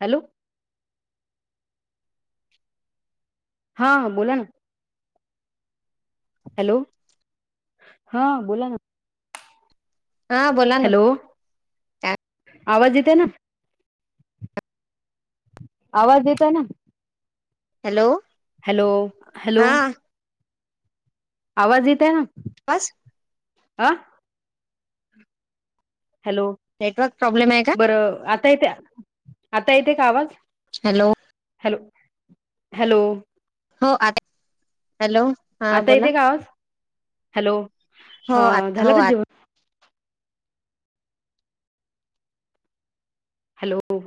Hello! हा... बोला ना? हॅलो! हा बोला ना? हा.... बोला ना? हॅलो आवाज येते ना? आवाज येतो ना? हॅलो! हॅलो! हॅलो! हा आवाज येतय ना? बस. आ........ हॅलो! नेटवर्क प्रॉब्लेम आहे का बरं आता येते? आता येते, का आवाज... हॅलो! हॅलो! हॅलो! हो आए हॅलो हा आता येते बोला. का आवाज हॅलो! हो ह... आ हो झालका आता जेवन हॅलो!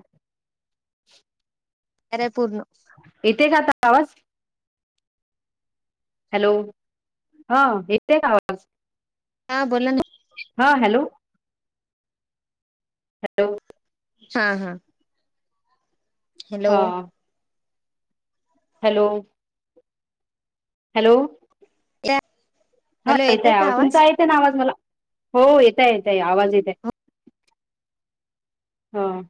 रायपूर न? येते का आता आवास? हॅलो! हा येत का? आवाज... हा बोला ना? हां हॅलो! हॅलो! हा.. हा.. हॅलो हा'. हॅलो! 'हॅलो. या. हा येतय, आवाज तुमचा येतेय ना? आवाज मला. हो येतय, येतय, आवाज येतय हा.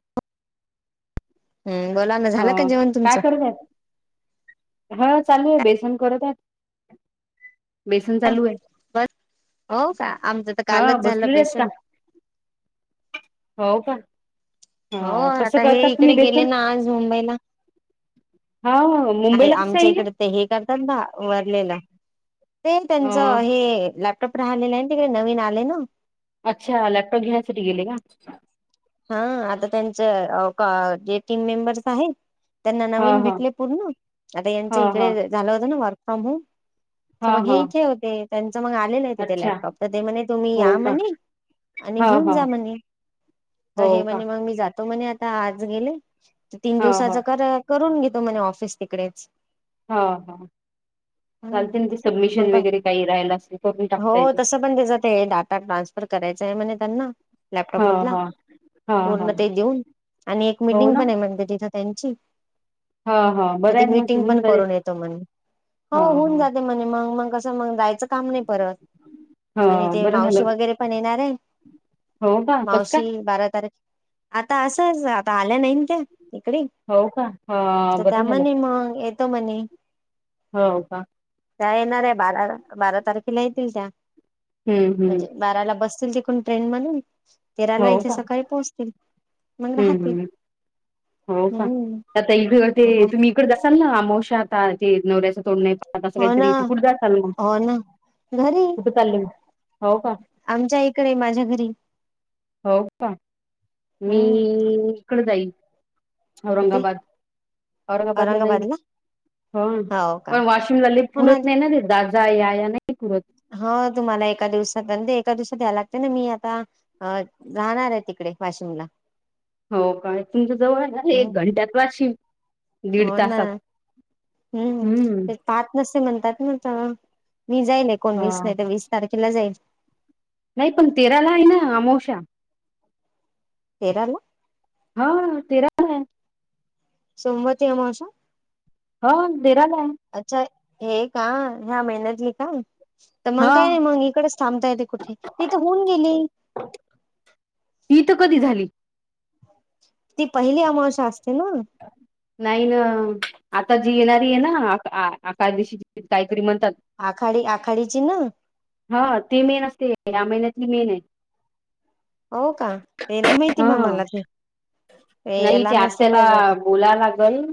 हम् बोला ना हो झालं का जेवण काय तुमचं करताय? हा चालू आहे. बेसन करत आहे, बेसन चालू आहे. बस, हो का? आमचं तर हा कालच झालं. बसलेले आहेत का बेसन हो का? हो हा कसं आता हे करतात तुम्ही इकडे गेले, बेसन ना आज मुंबईला. हा नाही, मुंबईला कसं आमच्या येईल इकडे तर हे ता ा वरलेलं ते त्यांच अ हे 'लॅप' कपडा आलेला आहे. तिकडे नवीन आले ना? अच्छा 'लॅपटॉप घेण्यासाठी' गेले का. हा आता त्यांच हाव का जे टीम मेंबर्स त आहेत. त्यांना हा नवीन हा भेटले पूर्ण, आता यांच हा हा इकडे झालं होत? ना वर्क फ्रॉम होम. हा तर मग हा हे इथे होते. त्यांच मग आलेलं ते ते अच्छा 'लॅपटॉप' तर ते म्हणे तुम्ही हो या का म्हणे. आणि हा घेऊन हा जा म्हणे! त हो हे का म्हणे मग मी जातो.... म्हणे आता. आज गेले तीन हा हा दिवसाच करून घेत. तो म्हने ऑफिस तिकडेच, हा! हा! चालते ना ते सबमिशन मग, वगैरे काही राहिलं असेल करून हो टाकता येते तस पण त्याचात डाटा ट्रान्सफर करायचंय आए म्हणे. 'लॅपटॉप' हा मधन हा हा हा पूर्ण ते देऊन आणि एक हो मिटिंग ना पण आहे म्हने, त्याजी त्यांची हा हा तर बरं आहे त ना, मग ते मीटिंग होऊन पण जाईल करून येतो म्हणे हो हा होऊन हा जाते म्हणे मग मग. कस मग जायचं काम नाही परत आणि हा ते बरं मावशी झालं वगैरे पण येणार आहे. हो बा कसं काय? मावशी बारा आता असंच आता आल्या नाही त्या. तिकडे हो का हा तर बरं झालं त्यामध्ये मग म्ह हो का येणार आहे बारा बारा तारीख येतील त्या हम्म हम्म म्हणजे बाराला बसतील तिकून ट्रेन मधून हो तेराला इथे का सकाळी पोहोचतील मग राहतील हम्म हो का हम्म आता इक ते तुम्ही इकड असाल ना मावशा आता ते नवऱ्याच तोड असं हो ना काहीतरीथे कुठे जा चाल मग हो ना घरी कुठे चालल हो का आमच्या इकडे आहे माझ्या घरी हो का मी हम्म इकड जाई कुठे औरंगाबाद औरंगाबादला जाईल हो पण वाशिमला ल पुरत नाही ना ते दादाा या ना हो तुम्हाला एका दिवसात एका दिवसात या्याय लागत ना मी आता राहणार आहे तिकडे वाशिमला हो काय तुमच्या जवळ अे हम्म एक घंट्यात वाशव हो ना हम्म ते पाहात न म्हणतात ना त मी जाईल एकोणवीस हा नाही तर वीस तारखेला जाईल. नाही पण तेराला आहे ना अमावशा. तेराला हा तेराला आहे. सोमवार ते अमावस्या. ह देराला आहे अच्छा हे का ह्या महिन्यातली का तर मग हा काय नाही मग इकडेच थांबता य ते कुठे तथे होऊन गेली ती तर कधी झाली ती पहिली अमाशा असते ना नाही ना आता जी येणारी आहे ना आका दिशी काही म्हणात आखाडी आखाडीची ना हा ते मेन असते ते आ मना मे नाही हो का ते नाही माहिती हा म मला त ल नसे तला बोला लागल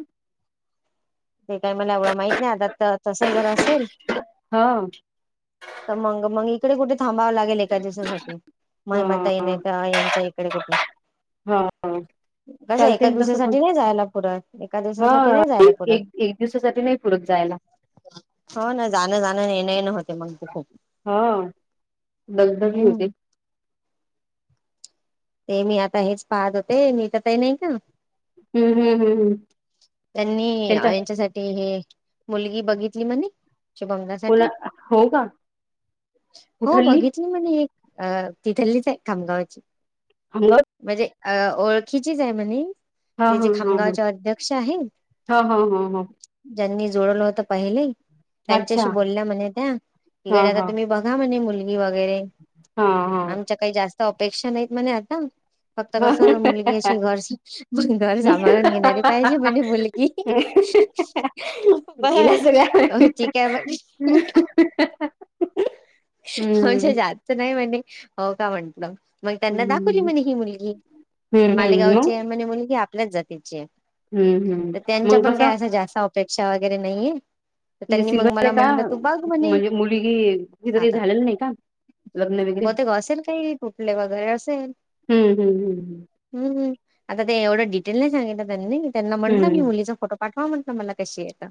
ते काही मला एवढं माहित नाही आता तर तस जर असेल ह तर मंग मंग इकडे कुठे थांबावं लागेल एका दिवसासाठी महिमाता ये नता यांच्या इकडे कुठे हा हा कसं चालते एका तस दिवसासाठी नाही जायला पुरत एका हा दिवसासाठी नाही जायला एक पुरत एक दिवसासाठी नाही पुरक ज ला हो ना जाणं जाणं येण न होते मग ते खूप दलदली होती हम्म ते मी आता हेच पाहत होते मी तर तेही नाही का हम्म हम्म हम्म हम्म त्यांनी त्यांच्या यांच्यासाठी हे मुलगी बघितली म्हणे कोणा बंगल्यासाठी हो का हो कुठली बघितली म्हणे एक अ तिथलीच आहे खामगावाची हंग अ ओळखीची ज आहे म्ह हा ते हा जे हा ह खामगावचे अध्यक्ष आहेत हा हा हा हा ज्यांनी जोडवलं होत पहिले अच्छा त्यांच्याशी बोलल्या म्हणे त्या हा इकडे आता हा तुम्ही बघा म्हणे मुलग वगैरे हा आमच्या काही जास्त अपेक्षा नाहीत म्हणे आता. फक्त कस मुलगी हा अशी घर घर सांभाळून घेणारी पाहिजे म्हणे मुलगी गेला बस, सगळ्या हो ठीक आहे म्ह. म्हजे हम्म जातचं नाही म्हणे, हो का म्हंटलं. मग त्यांना दाखवली हम्म म्हणे ही मुलगी, हम्म हम्म मग हम्म मालेगावची म्हणे मुलगी आपल्याच जातीची ये. हम्म तर त्यांच्या मग पण काही कसं असं जास्त अपेक्षा वगैरे नाही. म्हणजे सिल्वरर आहे का? म्हणजे मुलगी तिचं काही झालेलं नाही का? लग्न वगैरे बग ते ग असेल काही कुटले वगैरे असेल. हम्म, हम्म, हम्म हम्. हम्म. आता ते एवढं डिटेल नाही सांगितलं त्यांनी, त्यांना म्हटलं मी हम्म मुलीचा फोटो पाठवा म्हटलं मला कशी येता.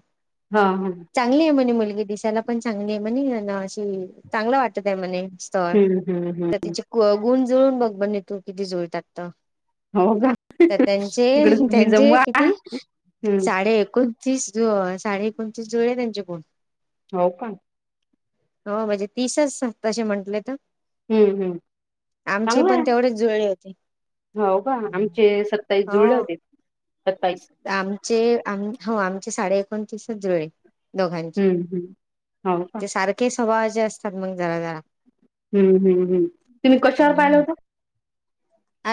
हा हा चांगली आहे म्हणे मुलगी दिसायला, पण चांगली आहे म्हणे अशी चांगलं वाटत आहे म्हणे, स्थळ, हम्म हम्म हम्म तर तिचे गुण जुळून बघ म्हणे तू. किती जुळतात तर. हो का तर तिकडे त्यांचे, तुम्ही त्यांचे जमवा किती? हम्म साडे एकूण. तीस जो साडे एकोणतीस जुळले त्यांचे गुण. हो का? हो म्हणजे तीसच तशे म्हंटले तर. हम्म, हम्म आमचे चांगलंय पण तेवढेच जुळले होते. हो का आमचे सत्ताईस जुळले हो होते सत्तावीस आमचे आम्ही आमचे साडे एकोणतीसच जुळले दोघांचे हम्म हम्म हो का ते सारखे स्वभावाचे असतात मग जरा जरा हम्म हम्म हम्म तुम्ही कशावर पाहिला हम्म होता?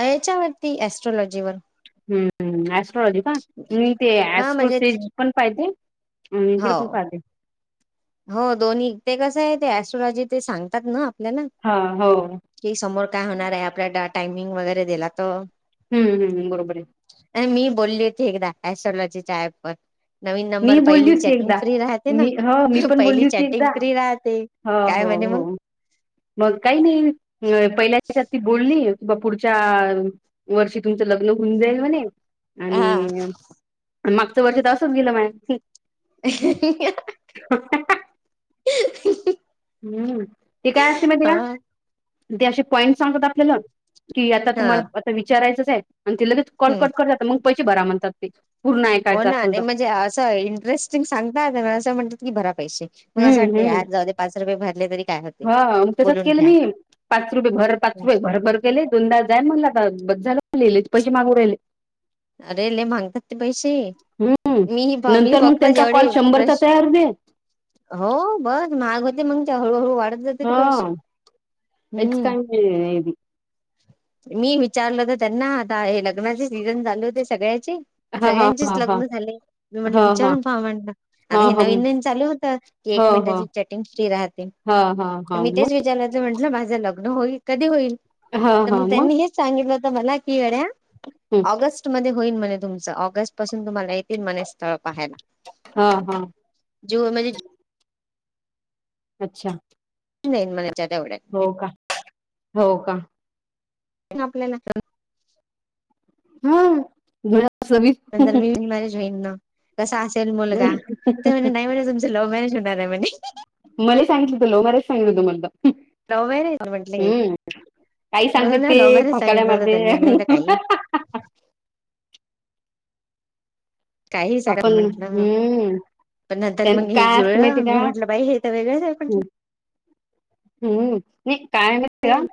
याच्यावरती ऍस्ट्रॉलॉजी वर. हम्म स्ऐट्रलॉजी का? मी ते हा म्हणजे स्ट्रोसेज पण पाहिजे. अम हो इकड पण पाहली. हो दोन्ही, ते कसं आहे, ते ऍस्ट्रोलॉजी ते सांगतात ना. ना, हा हो की समोर काय होणार आहे, आपल्या टायमिंग वगैरे दिला तर. हम्म हम्म, बरोबर आहे. नाही मी बोलली होती एकदा, एस्ट्रॉलॉजी च्या ऍप वर. नवीन मी नंबर बोलली पहिली होती चॅटिंग एकदा फ्री राहते ना. मी हो मी पण बोलली पहिली होती चॅटिंग एकदा फ्री राहते, हो काय हो म्हणे मग? हो. मग काही नाही, पहिल्याी बोलली. बा पुढच्या वर्षी तुमचं लग्न होऊन जाईल म्हणे. हा आणि, मागच वर्ष तर असंच गेलं माय. अहहह हम्म, ते काय असते माहीतीय का? हा ते असे पॉइंट सांगत आपल्याला. कि आता हा तुम्हाला,, आता विचारायचंच आहे, आणि ति लगेच कॉल हम्म. कट करतात,, मग पैसे बरा म्हणतात ते. पूर्ण हो ऐकायचं ना, असेल नाही तर म्हणजे असं इंटरेस्टिंग सांगतात, असं म्हणतात की भरा पैसे, मग असं वाटत, जाउदे पाच रुपये भरले तरी काय होते हां,, मग तसच बोलून केलं मी घ्या पाच रुपये भर, पाच रुपये भर केले दोनदा,, जाय म्हला. झाले, पैसे मागू राहिले. अरे लय मांगतात ते पैसे. हम्म मी, मी नंतर मग फक्त त्यांचा कॉल जेवढे शंभरचा प्रश,, तयार होते हो, बस, महाग होते, मग ते हळूहळू वाढत जाते ते हा पैसे, हेच हम्म. काय नाही मी विचारल होत त्यांना, आता हे लग्नाचे सीझन चालू होते सगळ्याचे. हा हा सगळ्यांचेच हा हा लग्न झाले,, मी म्हटलं हा विचारून पहावं, म्हणलं हा आता हे हा हा नवीन, नवीन चालू होतं, की हो एक मे हो त्यागी चॅटींग फ्री रातें,, हा हा तर हा मी तेच मग विचारायच म्हणलं माज लग्न होईल, कधी होईल? हा म हा मग त्यांनी हेच सांगितलं होत मला की कड्या [inaudible] ऑगस्ट मध्ये होईल म्हणे तुमचं, ऑगस्ट पासून तुम्हाला येती म्हणे स्थळ पाहाला हा हा जीव म्हणजे अच्छा. नाही मला ज एवढ. हो का हो का? आपल्याला पण हं. ग नंतर मी विन मॅरेज होईन ना कसा असेल मुलगा? ते म्हणे, नाही म्हणे तुमच लव्ह मॅरेज होणार आहे म्हणे. मले सांगितलं त लव मॅरेज सांगलं होत मल त. लव मॅरेज का म्हंटल हे? काही हो सांगते ना लव ते मॅरेज फकाड्या सांगितलं होत मारते त्यांना. मी म्हटल काहीही. काही सांगता आपण म्हंटलं. हम्म पण नंतर त्यां मग हे काय असतं जुळलं. माहिती मी का म्हंटलं, बाई हे तर वेगळंच आहे म्हटलं. हं, मी काय म्हटलं?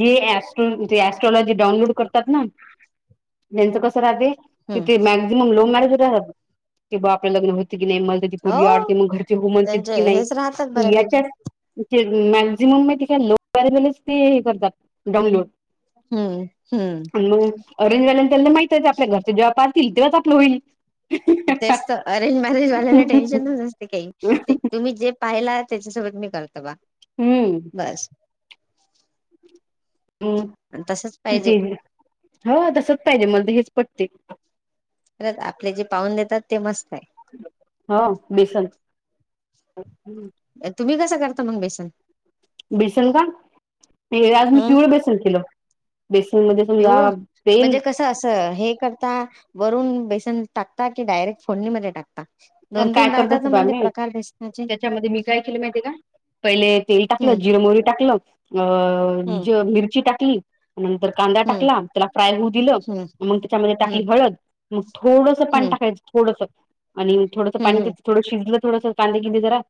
जे ऍस्ट्रो ॲस्ट्रॉलॉजी डाउनलोड करतात ना त्यांचं कसं राहते, हम्म तिथे मॅक्झिमम लव्ह मॅरेज होतात बघ. कि बा आपलं लग्न हो की नाही. म ती पोरगी हो आडते मग घरचे हो म्हणतील त्यांचे की नाही, हेच राहतात याच्या बऱ्यापैकी मॅक्झिमम म ति काय लोकल वलच ते हे करतात डाऊनलोड. हम्म हम्म अन मंग अरेज वाल्यानच तेना माहित आपल्या घर जेव्हा पाहतील तेव्हाच आपलं होईल. तेचत अरेंज मॅरेज वाल्याला टेन्शनच न असते काही ते तुम्ही जे पाहिलात. त्याच्यासोबत मी करतो बा. हं. [inaudible] अं, तसच ते, पाहिजे हो. तसच पाहिजे मला तर हेच पटते. खरंच आपले जे पाहून देतात, ते मस्त हा बेसन. करतो मग बेसन. बेसन का? ते आज मी पिवळ बेसन केल. पिवळ? तेल म्हणजे कसं? असं हे करता वरून बे तून टाकता की, डायरेक्ट फोडनी मध्ये टाकता? अर दोन काय तीन राहतात करतस ना बा म्हणजे मी, प्रकार बेसनाचे त्याच्यामध्ये मी काय केलं माहिती आहे का? पहिले तेल टाकलं, हम्म जिर मोहरी टाकलं, अ हम्म ज मिरची टाकली, नंतर कांदा हम्म टाकला. त्याला फ्राय होऊ दिलं, हम्म मग त्याच्यामध्ये हम्म टाकली हळद. मग थोडस पाण हम्म टाक त्यात थोडस आणि थोडं पाणी हम्म हम्म थोडं शिजल थडस कांदे बिंदे जरा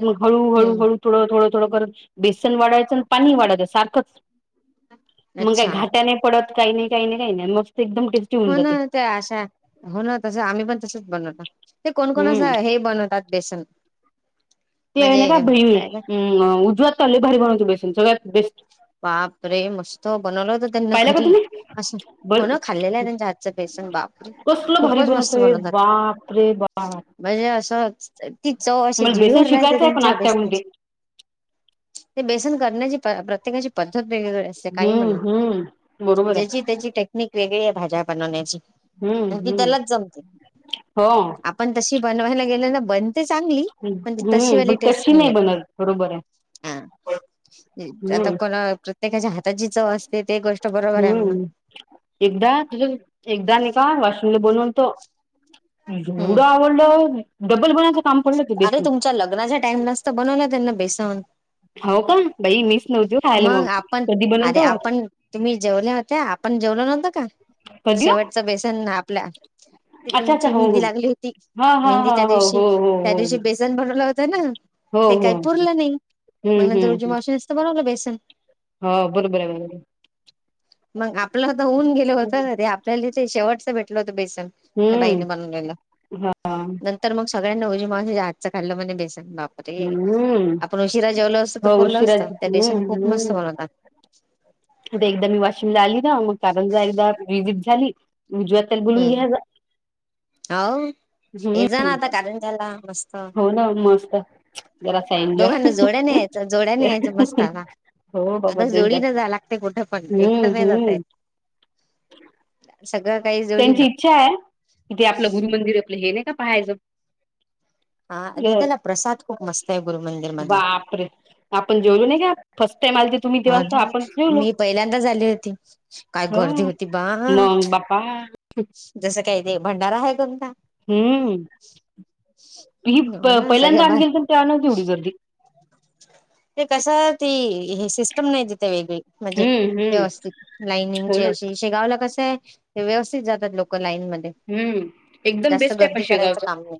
मग हळू हळू हम्म हळू थोडं थोडं थोडं करूत बेसन वाढायचं आणि पाणी वाढायचं सारखंच. मग काही अच्छा घाटा नाही पडत काही नाही काही नाही काही नाही मग हो ना ते अशा. हो ना तसं आम्ही पण तसच बनवत. ते कोण कोण अस हम्म अ हे बणवतात बेसन. ते आहे ना का म्हणजे भईवे काय का अं, उजवा हाताले लई भारी बणवते बेसन सगळ्यात बेस्ट. बाप रे! मस्त बनवलं होत त्यांना पाहिला का घरी. तुम्ही असं हो बर ना खाल्लेलं आहे त्यांच्या हातचा बेस सन. बापरे! कसलं भारी खूपच मस्त बनवतोय बनवतात, बाप रे बाप. म्हजे असच ती चव अशी मला बेसन जिभीवर राहते शिकायचं आहे पण त्यांच्या आत्या म्हणते बेसनाची. ते बेसन करण्याची प प्रत्येकाची पद्धत वेगगळे असते काही हम्म म्हणा. हम्म बरोबर आहे ज्याची त्याची टेक्निक वेगळी आहे भाज्या बनवण्याची. हम्म आणि ती हम्म. त्यालाच जमते. हो आपण तशी बनवायला गेल ना बन ते चांगली, पण ती हम्म तशीवाली पण टेस्ट तशी नाही येत. बनत बरोबर हां, आहे. नही. आता हम्म कोणा प्रत्येकाच्या हाताची चव अस हं, एकदा तुझं एकदा नही का वाश बनवनतो, हम् एवढं आवडलं डबल बनय अरे तुमच्या लग्नाच्या टाइमलाचत बनवलं त्यांना बेसन. हो का बाई मीच नव्हती हो खायला मग आपण, कधी अरे बनवतो आपण तुम्ही जेवल्या होत्या, आपण जेवलो नव्हत का. कधी ओ शेवटच बेसन ना आपल्या त अच्छा अच्छा तुमची हो हो. मेहंदी लागली होती, हा हा हा मेहंदीच्या हो दिवशी हो त्या हो दिवशी बेसन बनवला होता ना. हो ते हो काही हो हम्म पुरलं नाही. मग नंतर उजे मावशीनच तर बनवलं बेसन. हा बरोबर आहेना मग आपलं तर होऊन गेल होत ना रे आपल्याला ते शेवटच भेटलं होतं बेस. त्या बाईने हम्म बनवलेलं हा नंतर मग सगळ्यांना उजी मा हातचं खाल्लं म्ह बेस. बापर रे हम्म आपण उशिरा जेवलो असत तर हो परलं उशिरा असतं त्या बसन हम्म खूप मस्त हम्म बनवता. आता एकदा मी वाशिम ला आली ना मग कारण एकदा विजिट झाली. उजवात त्याला बोलून घ्या हम्म जा हो ये जा ना हम्म. आता कारंजाला मस्त हो ना मस्त जरासं एन्जॉय. दोघांना जोड्याने यायचं जोड्याने यायचं मस्त आता हो बाबा आता जोडीनं जाय लागते कुठं पण हम्म एकटं नाही जाता हम्म येत सगळं काही जोडीनं त्यांची इच्छा आहे कि ते आपलं गुरु मंदिर आपलं हे नाही का पाहायचं. हा अ दितला प्रसाद खूप मस्त आहे गुरु मंदिर मधला. पण जेवलो नाय का फर्स्ट टाइम आलते तुम्ही तेव्हा तर हो आपण जेवलो मी पहिल्यांदा आली होती काय हो गर्दी होती बा. मग बापा जसं काही ते भंडारा आहे कोणता. हं. ही हो प ना सगळ्या पहिल्यांदा बा आणली असेल तेव्हा नव्हती एवढी गर्दी. ते कस ती हे सिस्टम नाही तिथे वेगळी म्हणजे हम्म हम्म व्यवस्थित लाईनिंग हो ना. अ शेगावला कसं व्यवस्थित जात लोकां. लाईन मध्ये हम्म. एकदम जास्त बेस्ट आहे पण गर्दी शेगावच. करायचं काम आहे.